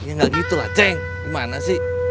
ya nggak gitu lah ceng gimana sih